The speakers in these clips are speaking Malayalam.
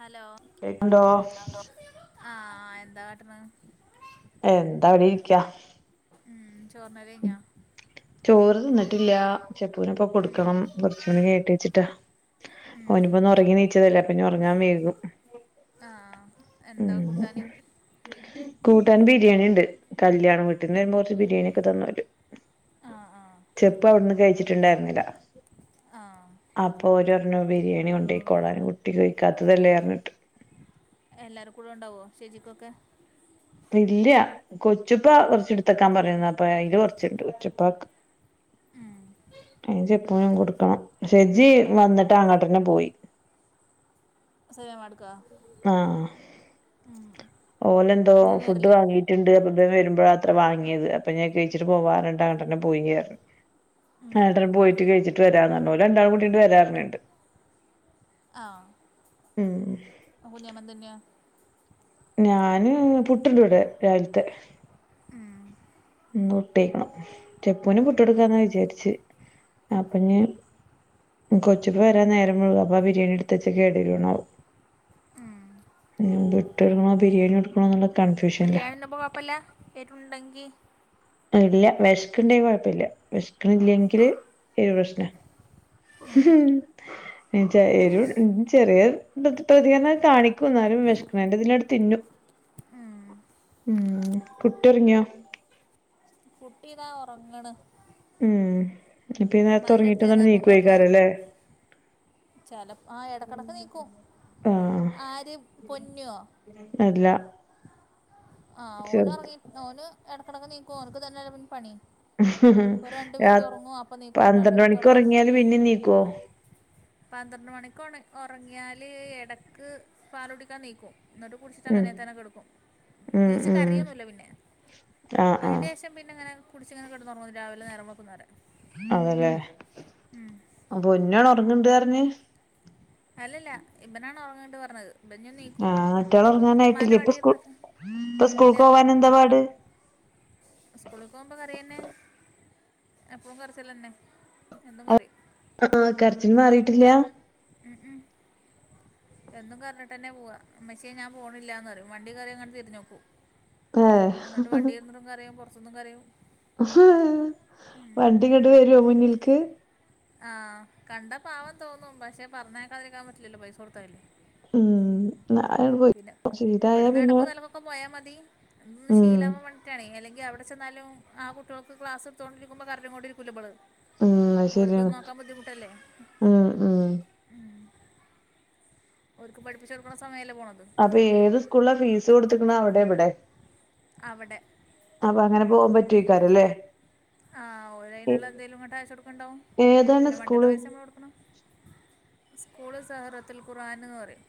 ഹലോ കേക്ക്ണ്ടോ ആഹ് എന്താ കാട്ടണ് എന്താവിടെ ഇരിക്ക ഉം ചോർന ഞാ ചോറ് തിന്നിട്ടില്ല ചെപ്പുവിനപ്പം ഉം കൊടുക്കണം കുറച്ച് കൂടി കയ്യട്ടേന്ന് വെച്ചിട്ടാ ഉം ഓനിപ്പോ ഒന്ന് ഉറങ്ങി നീച്ചതല്ല പിന്നനി ഉറങ്ങാൻ വൈകും ആഹ് ആഹ് എന്താ ഉം കൂട്ടാന് കൂട്ടാൻ ബിരിയാണി ഉണ്ട് കല്യാണ വീട്ടീന്ന് വരുമ്പോ കുറച്ച് ബിരിയാണി ഒക്കെ തന്നോല് ആ ആ ചെപ്പ് അവിടുന്ന് കഴിച്ചിട്ടുണ്ടായിരുന്നില്ല ആ അപ്പൊ ഓരറിഞ്ഞോ ബിരിയാണി കൊണ്ട പോയിക്കോളാനും കുട്ടിക്കഴിക്കാത്തതല്ലോയിറിഞ്ഞിട്ട് എല്ലാരും കൂടെ ഉണ്ടാവോ ശേചിക്കൊക്കെ ഇല്ല കൊച്ചുപ്പ കുറച്ച് എടുത്തക്കാൻ പറയുന്ന അപ്പ അതില് കൊറച്ചുണ്ട് കൊച്ചുപ്പാക്ക് ആഹ് [unintelligible] കൊടുക്കണം പക്ഷെ ജി വന്നിട്ട് അങ്ങോട്ട് തന്നെ പോയി [unintelligible] ആഹ് ഉം ഓലന്തോ ഇനി ഇന്ന് ഫുഡ് വരില്ലേ വാങ്ങീട്ട് രണ്ട് കപ്പം വരുമ്പോഴ അത്ര വാങ്ങിയത് അപ്പ ഞാൻ കഴിച്ചിട്ട് പോവാ [unintelligible] പോയിയായിരുന്നു ഉം ആട്ടൻ പോയിട്ട് കഴിച്ചിട്ട് വരാന്ന്ഞ്ഞു ഒരു രണ്ടാൾ കുട്ടീട്ട വരാറുണ്ട് ആഹ് ഉം [unintelligible] എന്തന്നെയാ ഞാന് പുട്ടിന്റെ ഇവിടെ രാവിലത്തെ ഉം ഒട്ടേക്കണം ചെപ്പൂന പുട്ട് ഉം കൊടുക്കാന്ന വിചാരിച്ച അപ്പൊഞ്ഞ് കൊച്ചിപ്പ വരാൻ നേരം മുഴുവ അപ്പ ബിരിയാണ എടുത്ത് വച്ച കേടവൂണാവോ ഉം [unintelligible] ബിരിയാണി കൊടുക്കണോ എന്നുള്ളത് ബിരിയാണിതിന്നുമ്പോ കുഴപ്പമില്ല എരുണ്ടെങ്കി ഇല്ല വിശക്കണ്ടെങ്ക കുഴപ്പമില്ല വിശക്കണില്ലെങ്കിൽ ഏരു പ്രശ്ന [unintelligible] എരു ചെറിയ പ്രതികരണ കാണിക്കും എന്നാലും വിശക്കണന്റെ [unintelligible] [unintelligible] ഉം കുട്ട്യോറങ്ങിയാ കുട്ടിതാ ഒറങ്ങ്ണ് ഉം ഇപ്പയീ നേരത്ത ഒറങ്ങിട്ട് അടുത്ത് ചെന്ന് ന്നിട്ട് അപ്പം ഉമ്മ ഇപ്പം നീക്കൊയ്ക്കാരലേ? ചില ആ ഇടക്കിടക്ക് നീക്കും ആഹ് ആര് പൊന്നോ അല്ല ആ ചെറുത് ഓനൊറങ്ങി ഓന് എടക്കിടക്ക് നീക്കും ഓൻക്ക് ഇതന്നെല്ലെ പണി ഓൻ രണ്ടു രാ മിനിറ്റൊറങ്ങും അപ്പ നീക്കും പന്ത്രണ്ട് മണിക്ക് രണ്ട്മിനിറ്റൊറങ്ങും അപ്പം ഉറങ്ങിയാല് നീക്കും പിന്നേം നീക്കുവോ പന്ത്രണ്ട് മണിക്ക് ഒണ ഒറങ്ങിയാല് എടക്ക് പാലുടിക്കാ നീക്കും ഇന്നെട്ട് ഉം കുടിച്ചിട്ടങ്ങനെതന്നെ കെട്ക്കും ഉം നീച്ച് ഉം കരയൊന്നുല്ല പിന്നെ ആഹ് ആഹ് അയിന്റേഷം പിന്നെങ്ങെനെ കുടിച്ചിങ്ങനെ കെടന്നൊറങ്ങും രാവിലെ നേരം വെളുക്കുന്ന വരെ അതെല്ലേ ഉം. ആഹ് പൊന്നുവാണ് ഒറങ്ങ്ണ്ടർഞ്ഞെ? അല്ലല്ല ഇബനാണ് ഒറങ്ങ്ണ്ട് പർഞ്ഞത് ഇബഞ് നീക്കും ആഹ് മറ്റേള് ഇപ്പമ്മാന്റെ ഉറങ്ങാനായിട്ടില്ലേ മടീര്ന്ന് ഇല്ല എന്തപാട്? സ്കൂളി പോകുമ്പോ കരയന്നെ എപ്പഴും കരച്ചിലെന്നെ എന്നും കരയും ആഹ് ആ കരച്ചില് മാറിയിട്ടില്ല്യ? മ്ഹ് മ്ഹ് എന്നും കരഞ്ഞിട്ടന്നെ പോവാ ഇമ്മച്ചിയെ ഞാം പോണില്ലാന്നറിയും വണ്ടി കയറിയെങ്ങെട്ട് തിരിഞ്ഞോക്കും ഏഹ് ഇന്നെട്ട് വണ്ടിലിരുന്ന്ട്ടും കരയും പൊറത്തുന്നും കരയും വണ്ടിങ്ങെട്ട് വെരോ മുന്നിൽക്ക്? ആഹ് കണ്ടാ പാവം തോന്നും പക്ഷെ പറഞ്ഞേക്കാതിരിക്കാം പറ്റില്ലല്ലോ പൈസ കൊടുത്തയെല്ലേ? ഉംഹ് പിന്നെ ഇവട്ന്ന് ഇടക്കും തെലക്കൊക്കെ പോയാ മതി ഒന്ന് ഉം ശീലാവാം മാണ്ടി ക്കാണെ എല്ലെങ്കി അവിടെ ചെന്നാലും ആ കുട്ടിയോൾക്ക് ക്ലാസ്ട്ത്തോണ്ടിരിക്കുമ്പോ കരഞ് കൊണ്ട് രിക്കില്ലവെള് ഉം അഹ്ശെരിയാ ഇതൊന്ന് നോക്കാം ബുദ്ധിമുട്ടല്ലേ? മ് മ് ഓര്ക്ക് പഠിപ്പിച്ചൊട്ക്ക്ന്ന സമയല്ലേ പോണത് അപ്പേത് സ്കൂളിലാ ഫീസ് കൊട്ത്ത്ക്കണേ അവ്ടെ ഇബടെ? അവടെ അപ്പ അങ്ങനെ പോവാം പറ്റൊയ്ക്കാരലേ? ആഹ് ഓലയ്ന്ള്ളന്തേലും ഇങ്ങട്ട് അയച്ചൊട്ക്ക്ണ്ടാവും ഏതാണ് പിന്നെ വണ്ടിടെ സ്കൂള് പൈസ നമ്മള് കൊടുക്കണം സ്കൂള് സഹറത്തിൽ ഖുർആന് ന്ന് പറയും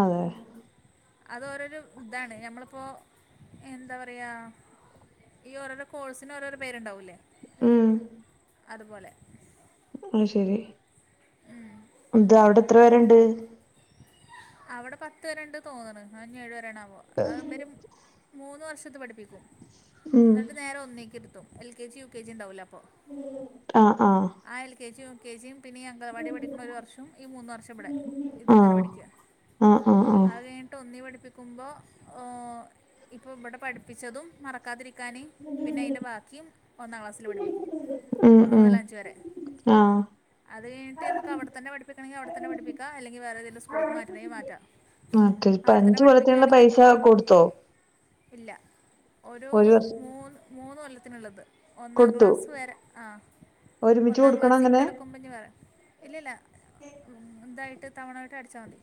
അതെ അത് ഓരോരു ഇതാണ് ഞമ്മളിപ്പോ എന്താ പറയാ ഈ ഓരോരോ കോഴ്സിന് ഓരോരോ പേര്ണ്ടാവൂല്ലേ? ഉം അതുപോലെ അഹ്ശെരി ഇന്നട്ട് അവ്ടെത്ര വേരേണ്ട്? അവ്ടെ പത്ത് വരേണ്ട് തോന്ന്ണ് അതോഞ്ഞ് ഏഴ്‌ വെരേണാവോ അഹ് ഇബര് മൂന്ന് വർഷത്ത് പഠിപ്പിക്കും ഉം ഇന്നെട്ട് നേരെ ഒന്നേക്കിരുത്തും L K G, U K G, ണ്ടാവൂലപ്പൊ ആഹ് ആഹ് ആ L K G, U K ജിയും, പിന്നെയീ അഗാനവാടി പഠിക്ക്ണൊരു വർഷും ഈ മൂന്ന് വർഷംബടെ ഇത്ങ്ങെനെ ആഹ് പഠിക്കാ ആഹ് ആഹ് ആഹ് അത് കഴിഞ്ഞിട്ട് ഒന്നി പഠിപ്പിക്കുമ്പോ ഹോ ഇപ്പം ഇബടെ പഠിപ്പിച്ചതും മറക്കാതിരിക്കാ ന് പിന്നെ അയിൻ്റെ ബാക്കിം ഒന്നാം ക്ലാസ്സില് പഠിപ്പിക്കും ഉം ഒന്ന് ഉം മുതൽ അഞ്ച് വരെ, ആഹ്, അത് കഴിഞ്ഞിട്ട് ഞമ്മക്ക് അവിടെത്തന്നെ പഠിപ്പിക്കണെങ്കി അവിടെത്തന്നെ പഠിപ്പിക്കാ അല്ലെങ്കി വേറേതെങ്കിലും സ്കൂക്ക് മാറ്റണെങ്കി മാറ്റാം, മറ്റേ ഇപ്പ അവിടെത്തന്നെ അഞ്ചു കൊല്ലത്തിനുള്ള പഠിപ്പിക്ക്യാണെങ്കി പ പൈസ കൊടുത്തോ ഇല്ല ഒരു മൂന്ന് മൂന്ന് കൊല്ലത്തിന്ള്ളത്, ഒന്നാം കൊടുത്തു ക്ലാസ് വരെ, ആഹ് ഒരുമിച്ച് ഒന്നാം കൊടുക്കണ അങ്ങനെ ക്ലാസ്സിക്കെടക്കുമ്പ്ഞ്ഞ് വേറെ ഇല്ല്ല്ല ഉംന്തായ് ഒറ്റ തവണായ്ട്ടടച്ചാ മതി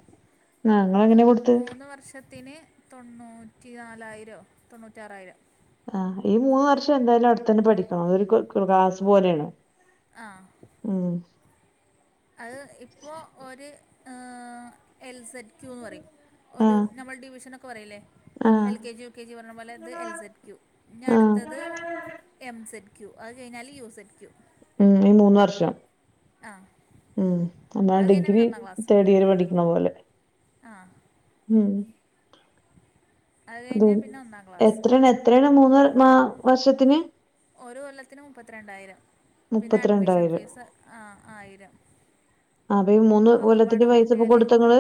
ആ ഇങ്ങളെങ്ങനെ കൊടുത്ത് മൂന്ന് വർഷത്ത്ന് തൊണ്ണൂറ്റിനാലായ്രൊ തൊണ്ണൂറ്റാറായ്രം ആഹ് ഈ മൂന്ന് വർഷംന്തായാലും അവ്ട്ത്തന്നെ പഠിക്കണം അതൊര് ക് ക് ക്ലാസ് പോലെയാണ് ആഹ് ഉം അത് ഇപ്പോ ഒര് എൽ സെഡ് ക്യൂന്ന് പറയും ആ ഒര് നമ്മൾ ഡിവിഷനക്കെ പറയ്ല്ലേ ആ L K G U K G പറയ്ണെ പോലെ ഇത് എൽ സെഡ് ക്യു ആ ന്നട്ത്തത് എം സെഡ് ക്യു അത് കഴിഞ്ഞാല് യു സെഡ് ക്യു ഉം ഈ മൂന്ന് വർഷം ആ ഉം ആം അത് കഴിഞ്ഞാൽ ആഡിഗ്രി പിന്നെ ഒന്നാം തേഡിയറ് പഠിക്കണപോലെ ആഹ് ഉം അത് കഴിഞ്ഞാൽ പിന്നെ ഒന്നാം ക്ലാസ് എത്രണ് എത്രയാണ് മൂന്ന് മാ വർഷത്തിന് ഓരോ കൊല്ലത്ത്ന് മുപ്പത്തിരണ്ടായ്രം പിന്നെ അഡ്മിഷൻ മുപ്പത്തിരണ്ടായിരം ഫീസ് ആഹ് ആയിരം ആവേ ഈ മൂന്ന് കൊല്ലത്ത്ന്റെ ഒക്കെപ്പാടെ പൈസപ്പോ കൂട്ടിയാൽ കൊട്ത്തങ്ങള്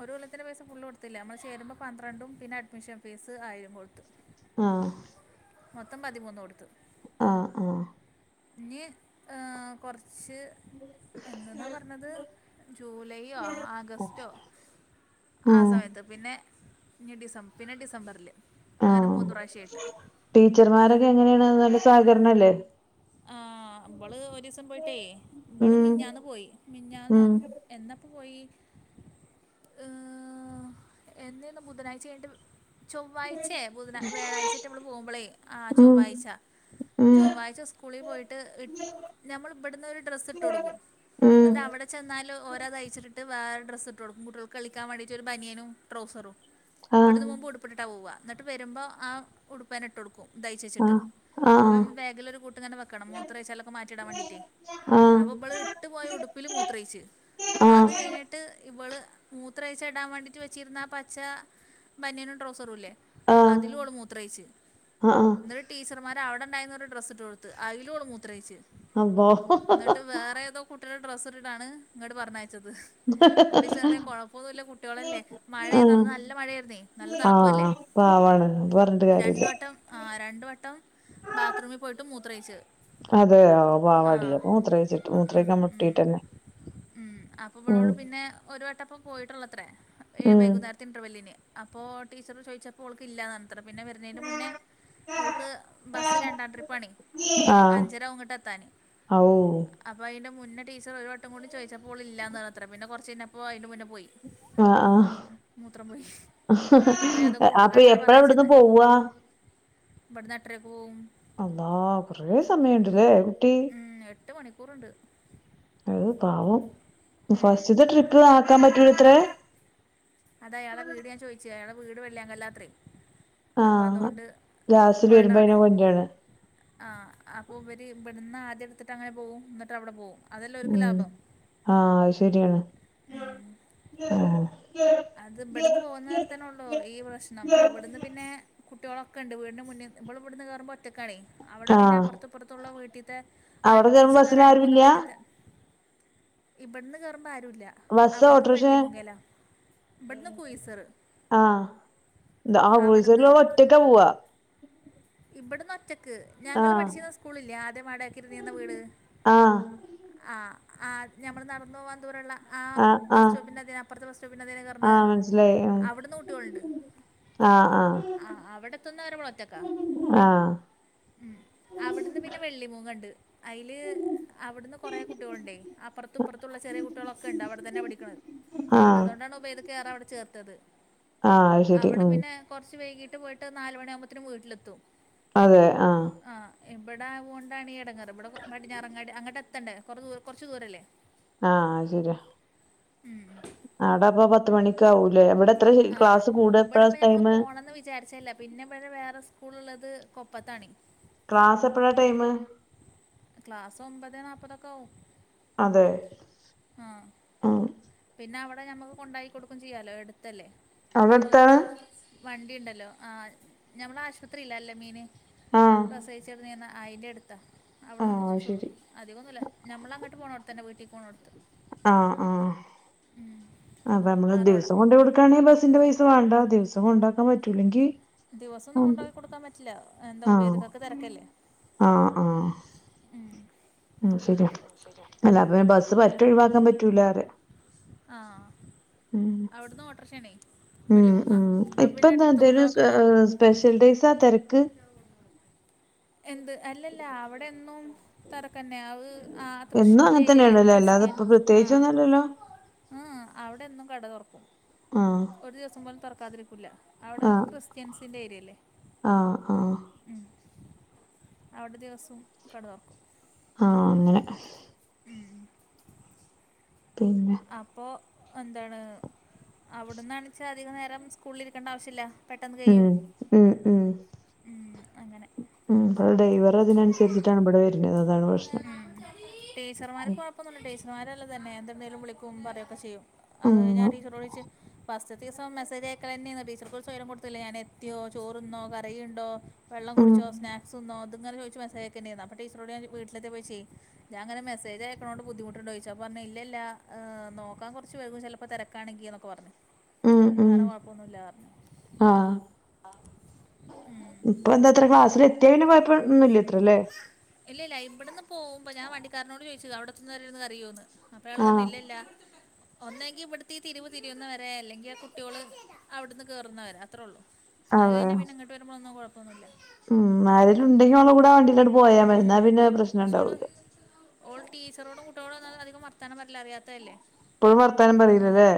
ഒരു കൊല്ലത്തിന്റെ പൈസ ഫുള്ള് കൊട്ത്തില്ല നമ്മള് ചേരുമ്പോ പന്ത്രണ്ടും പിന്നെ അഡ്മിഷൻ ഫീസ് ആയിരം കൊട്ത്തു ഉം മൊത്തം പതിമൂന്ന് കൊട്ത്തു ആഹ് ആഹ് ന്നീ ആഹ് കൊർച്ച് എന്തെന്നാ പർ ത് ജൂലൈയോ ആഗസ്റ്റോ ഉം ആഹ് സമയത്ത് പിന്നെ ഇനി ഡിസംബ് പിന്നെ ഡിസംബറില് അങ്ങനെ മൂന്ന് പ്രാവശ്യായ്ട്ട് ടീച്ചർമാരക്കെങ്ങനെയാണ് നല്ല സഹ്കരണല്ലേ ആഹ് വ്ള് ഒരീസം പോയിട്ടേ വ്ള് ഉം മ്ഞ്ഞാന്ന് പോയ് മ്ഞ്ഞാന്നാ ഉം എന്നാപ്പപോയ്‌ ഏഹ് എന്നായ്ന് ബുധനായ്ച്ചകയ്ഞ്ഞ്ട്ട് ചൊവ്വാഴ്ച്ചെ ബുധനാ വ്യാഴാഴ്ച്ച്ട്ട് നമ്മള് പോകുമ്പോളേ ആഹ് ഉം ചൊവ്വാഴ്ച്ച ഉം ചൊവ്വായ്ച്ച സ്കൂളി പോയിട്ട് ഇട്ട് ഞമ്മളിബ്ട്ന്നൊര് ഡ്രസ്സ്ട്ട് കൊട്ക്കും ഉം ന്ന്ട്ട് അവ്ടെച്ചെന്നാലൊ ഓരത് അയ്ച്ച്ട്ട്ട്ട് വേറെ ഡ്രസ്സ്‌ട്ട് കൊടുക്കും കുട്ട്കൾക്ക് കളിക്കാവേണ്ടീട്ട് ഒര് ബന്യനും ട്രൗസറും ആഹ് ഇവ്ട്ന്ന്പൊമ്പോ ഉടുപ്പ്ട്ട്ട്ടാ പോവ്ക ന്നിട്ട് വരുമ്പോ ആഹ് ഉടുപ്പന്നെ ഇട്ടോട്ക്കും ദയ്ച്ച്വെച്ച്ട്ട് ആഹ് ആഹ് അപ്പം ബാഗിലൊര്കുട്ട് വെക്കണം മൂത്രയ്ച്ചാലക്കെ മാറ്റിടാൻ വേണ്ടീട്ടെ ആഹ് അപ്പവ്ള് ഇട്ട് പോയ ഉടുപ്പ്ല് മൂത്രയ്ച്ച് ആഹ് ന്ന്ട്ട് ഇവള് മുത്രായ്ച്ചടാൻ വേണ്ടിട്ട് വെച്ചിര്ന്ന ആഹ് പച്ച ബന്യനും ട്രോസറുല്ലേ ആഹ് അതില്വോള് മൂത്രയ്ച്ച് ആഹ് ആഹ് എന്നിട്ട് ടീച്ചർമാര് അവ്ട്ണ്ടായ്ര്ന്നൊരു ഡ്രസ്സ്ട്ട് കൊട് ത്ത് അയ്ല്യോള് മൂത്രയ്ച്ച് അള്ളോ ന്ന്ട്ട് വേറെ ഏതോ കുട്ട് ട്ട്ഡ്രസ്സിട്ട്ട്ടാണ് ഇങ്ങട് പറഞ്ഞയച്ചത് അവ്ടെസെറെ കൊഴപ്പോന്നുല്ല കുട്ട്യകളല്ലേ മഴെയ് ആഹ് നനല്ല മഴയായ്ര്ന്നേ നല്ല തണുപ്പ്വല്ലേ ആഹ് പാവാണ് പറഞ്ഞ്ട്ട് കാര്യല്ലാ ആഹ് രണ്ട് വട്ടം ബാത്ത്റൂമി പോയിട്ട് മൂത്രയ്ച്ച് അതെയൊ പാവാടി അപ്പൊ മൂത്രോയ്ച്ച്ട്ട് ഉം മൂത്രയ്ക്കാൻ ഉം മുട്ടീട്ടന്നെ ഉം അപ്പൊവ്ളോട് പിന്നെ ഒര് വട്ടപ്പം പോയ്ട്ടൊള്ളത്ര എഹ് ഉം വൈകുന്നേരത്തെ ഇന്റർവെല്ലിന് അപ്പോ ടീച്ചറ് ചോയ്ച്ചപ്പോ ഓൾക്കില്ലാന്നർഞ്ഞ് ത്രപിന്നെ വരുന്നെന്റെ മുന്നേ ഓൾക്ക് ബസ്സ് രണ്ടാം ട്രിപ്പാണെ ആഹ് അഞ്ചരയാകുംങ്ങട്ട് എത്താന് ഔ അപ്പൊ അയ്ന്റെ മുന്നേ ടീച്ചർ ഒര് വട്ടം കൂടി ചോയ്ച്ചപ്പോ ഓളില്ലാന്ന് പറഞ്ഞത്ര പിന്നെ കൊറച്ചയ്ഞ്ഞപ്പോ അയ്ന്റെ മുന്നേ പോയ് ആഹ് ആഹ് അപ്പോൾ ഏതോ അഹ് കൂട്ടരുടെ അപ്പൊ എപ്പഴാവ്ട്ന്ന് പോവാ ഇബെട്ന്നെട്ടരക്ക് പോവും അള്ളാ കൊറേ സമയെണ്ട്ലേ? ഉം എട്ട് മണിക്കൂറ്ണ്ട് അഹ് പാവം ഉം. ഫസ്റ്റ്ത്തെ ട്രിപ്പ് ആക്കാം പറ്റൂലെത്രേ? അത് അയാളെ വീട് ഞാ ചോയ്ച്ച് അയാളെ വീട് വെള്ളിയാകല്ലാത്രേ? അപ്പ ആഹ് അതോണ്ട് ലാസ്റ്റില് വരുമ്പോ പുഴെടവ്ടെ അയിനെ കൊണ്ടരാണ് ആഹ് അപ്പൊവെര്‌ ഇബട്ന്നാദ്യയ്ട്ത്തിട്ട് അങ്ങനെ പോവും എന്നിട്ടവ്ടെ പോവും അതല്ലോര്ക്ക് ഉം ലാഭം ആഹ് അഹ്ശെരിയാണ് ഉം അത് ഇബട്ന്ന് പോകുന്ന നേര്ത്തെന്നൊള്ളു ഈ പ്രശ്നം അവിടുന്ന് പിന്നെ കുട്ട്യാളൊക്കെണ്ട് വീടിന്റെ മുൻന്ന് ഇവള്ബട്ന്ന് കേറുമ്പൊറ്റക്കാണേ അവിടെ പിന്നെ ആഹ് അപ്പർത്തുപ്പർത്തുള്ള വീട്ടീത്തെ അവിടെ കേറുമ്പോ അടുപ്പിച്ചിള്ളെ ബസ്സില് രണ്ട് മൂന്ന് ആരുല്ല വീട്ടിത്തെ ഇബട്ന്ന് കേറുമ്പാരുല്ല ബസ്സോ അവ്ട്ന്ന് ഓട്ടോറിക്ഷേ വെള്ളിമൂങ്ങല ഇബട്ന്ന് കുയിസറ് ന്താ ആഹാ കുയിസർലോളൊറ്റക്കാ പോവാ? ഇബട്ന്നൊറ്റ ക്ക് ഞങ്ങള് ആഹ് പഠിച്ചീന്നെ സ്കൂളില്ലേ? ആദ്യം വാടകക്കിരുന്നീന്ന വീട്? ആഹ് ആഹ് ആഹ് ഞമ്മള് നടന്നോവാൻ ദൂരെള്ള ആ ആഹ് ബസ് ആഹ് സ്റ്റോപ്പിന്റെ അപ്പറത്തെ ബസ് സ്റ്റോപ്പിന്റെ [unintelligible] ഹ് ആഹ് മനസ്സിലായി ഉം അവ്ട്ന്ന് കുട്ട്യാളുണ്ട്. ആഹ് ആഹ് അവിടെത്ത്ന്ന് വരെവളൊറ്റക്കാ ആഹ് ആഹ് ഉം അവിടുന്ന് പിന്നെ വെള്ളിമൂങ്ങണ്ട് അയില് അവ്ടുന്ന് കൊറേ കുട്ട്യോളുണ്ടേ അപ്പർത്തുപ്പർത്തുള്ള ചെറിയകുട്ടിയളൊക്കെണ്ട് അവിടെ തന്നെ പഠിക്ക്ണത് ആഹ് അതോണ്ടാണ് ഉബൈ ദിക്കക്കവ്ടെ ചേർത്തത് ആഹ് അത് ശരി അവിടെ ഉം പിന്നെ കൊറച്ച് വൈകീട്ട് പോയിട്ട് നാല് മണിയാകുമ്പോത്തിന് വീട്ട്ലെത്തും അതെ ആഹ് ആഹ് ഇബടെ ആവുണ്ടാണീയെടങ്ങാറ് ഇബടെ പടിഞാറങ്ങാണ്ടി അങ്ങട്ടെത്തെണ്ടേ കൊറേ ദൂര കൊറച്ച് ദൂരല്ലേ? ആഹ് അത്ശെരിയാ ആടാപ്പം പത്ത്മണിക്കാവൂലേ ഇവടെ ആഹ് ഇബടെപ്പം ഞമ്മള് പോണംന്ന് വിചാരിച്ചെല്ല പിന്നെവെടെ വേറെ സ്കൂള് ള്ളത് കൊപ്പത്താണേ ക്ലാസെപ്പഴാ ടൈമ്? ക്ലാസ് ഒമ്പതേ നാപ്പതൊക്കാവും അതെ? ഉം പിന്നവടെ ഞമ്മക്ക് കൊണ്ടാക്കി കൊടുക്കും ചെയ്യാലോ എട്ത്തല്ലേ? അവ്ടെട്ത്താണെ? വണ്ടിണ്ടല്ലോ ആഹ് ഞമ്മളെ ആശുപത്രില്ലേ അൽ അമീന് ആഹ് പ്രസവിച്ച് കെട്ന്നീന്ന? അയിൻ്റെട്ത്താ അവ്ട്ന്ന് ആഹ് കൊറച്ചൊള്ളൂ ശരി അധികൊന്നുല്ല ഞമ്മളങ്ങട്ട് പോണോട്ത്ത്ന്നെ വീട്ടിക്കി പോണോട്ത്ത്. ആഹ് ആഹ് അതമ്മള് ആ റോഡാ ദിവസം കൊണ്ടൊയൊട് ക്കാണെ ബസ്സിന്റെ പൈസ വാണ്ട ദിവസം കൊണ്ടാക്കാ പറ്റൂലെങ്കി - - ദിവസൊന്നും കൊണ്ടാക്കി കൊടുക്കാം പറ്റില്ല എന്താ ഉബൈദ്ക്കാക്ക് തെരക്കല്ലേ ആഹ് ആഹ് ഉം ഉം ശെരിയാ അല്ല അപ്പപിന്നെ ബസ്സ്പറ്റെ ഒഴിവാക്കാ പറ്റൂലാറ്യ ആഹ് അവ്ട്ന്ന് ഓട്രഷേണെ ഉം വെള്ളിമൂങ്ങ ഉം അപ്പപിന്നട്ത്ത് കുട്ട്യോളൊക്കെണ്ട് സ്പെഷ്യല് ഡൈസാ തെരക്ക്? എന്ത് എല്ലല്ല അവ്ടെന്നും തെരക്കന്നെയാ അഹ് ആ എന്നും അങ്ങനെ തൃശ്ശൂരേരിയല്ലേ തന്നെയാണല്ലോ അല്ലാതെ ഇപ്പൊ ക്രിസ്ത്യൻസ് ആഹ് പ്രത്യേകിച്ചൊന്നുംല്ലല്ലോ എഹ് ഹ് അവടെന്നും കട തൊറക്കും ആഹ് ഒരു ദിവസം പോലും തൊറക്കാതിരിക്കൂല അവ്ടെ ആഹ് ക്രിസ്ത്യൻസിന്റേരിയല്ലേ? ആഹ് ആഹ് ഉം അവടെ ദിവസും കട തൊറക്കും ആഹ് അങ്ങനെ ഉം പിന്നെ അപ്പോ എന്താണ് അവിടന്നാണെച്ചാൽ അധിക നേരം സ്കൂളിരിക്കേണ്ട ആവശ്യല്ല ഉം ഉം ഉം ഉം, അങ്ങനെ ഉം ഇവിടെ ഡ്രൈവറെ അതിനനുസരിച്ചിട്ടാണ് ഇവിടെ വരുന്നത് അതാണ് പ്രശ്നം ഉം. ടീച്ചർമാർക്ക് കൊഴപ്പൊന്നുല്ല ടീച്ചർമാരല്ലേ തന്നെ എന്തുണ്ടേലും വിളിക്കും പറയെക്കെ ചെയ്യും ഉം ആഹ് ഞാൻ ടീച്ചറോട്ദിച്ച് പസ്റ്റ്ത്തെദിസം മെസേജ് ആയ്ക്കലന്നെനു ടീച്ചർക്ക് ഒരു സ്വയ്ര്യം കൊടുത്തില്ല ഞാന് എത്തിയോ ചോറ്ന്നോ കറിയുണ്ടോ വെള്ളം ഉം കുടിച്ചോ സ്നാക്സ്ന്നോ ഇത്ങ്ങനെ ചോയിച്ച് മെസേജ് അയ്ക്കന്യാനു അപ്പ ടീച്ചറോട് ഞാന് വീട്ടിലെത്തിയപ്പോയിച്ചോ ഞാ ഇങ്ങനെ മെസോജയ്ക്ക്ണോണ്ട് ബുദ്ധിമുട്ട്ണ്ടോ ചോയിച്ച് അപ്പറഞ്ഞ് ഇല്ല ഇല്ല ആഹ് നോക്കാൻ കൊറച്ച് വൈകും ചെലപ്പോ തെരക്കാണങ്കിന്നെക്കെ പറഞ്ഞു ഉം ഉം വേറെ കൊഴപ്പൊന്നുല്ലറഞ്ഞു ആഹ് ഉം. ഇപ്പൊ എന്ത അത്ര ക്ലാസില് എത്യോന് കൊയപ്പന്നുല്ല അത്രല്ലേ ഇല്ലല്ല ഇവിടന്ന് പോവുമ്പോ ഞാൻ വണ്ടിക്കാരനോട് ചോയിച്ചത അവിടന്ന് ഒരുത് അറിയോന്ന് അപ്പയാള് പറഞ്ഞ് ആഹ് ഇല്ലല്ല ഒന്നെങ്കിൽ ഇവിടത്തെ തിരിവ് തിരിയുന്നവരെ അല്ലെങ്കിൽ ആ കുട്ട്യോള് അവിടന്ന് കേറുന്നവരെ അത്രള്ളു അത് അതെ കഴിഞ്ഞാ പിന്നെ ഇങ്ങട്ട് വരുമ്പളെന്നും കൊഴപ്പല്ല ഉം ആരെലും ഇണ്ടങ്കിൽ അവളുടെ കൂടെ വണ്ടിലാണ്ട് പോയാ മതി ന്നാ ഉം. പിന്നെ പക്ഷെ പ്രശ്നണ്ടാവൂല ഓള് ടീച്ചറോടും കുട്ട്യോളോടെന്നും അധികം വർത്താനം പറീല അറിയാത്തല്ലേ ഇപ്പഴും വർത്താനും പറീലല്ലേ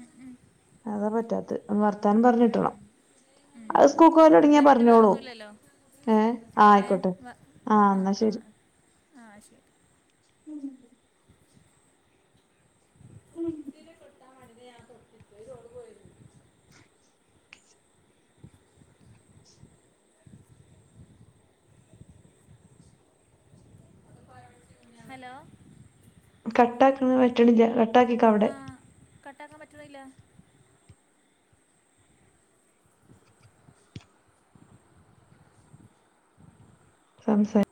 ഉം, ഉം, അതാ പറ്റാത്തെ വർ വർത്താനം ഉം, പറഞ്ഞിട്ടണം ഉം. അത് സ്കൂക്ക് എന്നാ പോലട്ങ്ങിയാല് പിന്നെ വേറെ പറഞ്ഞോളും ഒന്നുമില്ലല്ലോ ഏ ആ ഏ ആയിക്കോട്ടെ വ- ആഹ് ആ എന്നാ ആ ശരി ആ ശരി ഇത്ല് തെട്ടാൻ മാണ്ടി ഞാൻ തെട്ട് അയ്ല് ഓള് പോയിരുന്നു [inaudible] ഹലോ കട്ടാക്ക്ണ പറ്റ്ണ്ല്ല കട്ടാക്ക്യക്കാ ഔടെ കട്ടാക്കാൻ പറ്റ്ണ്ല്ല [inaudible] സംസാ